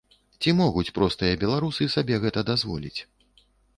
Ці могуць простыя беларусы сабе гэта дазволіць?